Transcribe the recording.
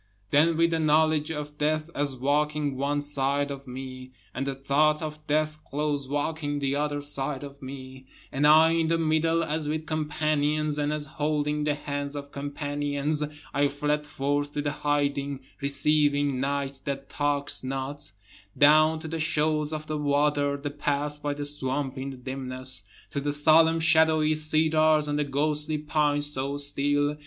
Then with the knowledge of death as walking one side of me, And the thought of death close walking the other side of me, And I in the middle as with companions, and as holding the hands of companions, I fled forth to the hiding receiving night that talks not, Down to the shores of the water, the path by the swamp in the dimness, To the solemn shadowy cedars and the ghostly pines so still.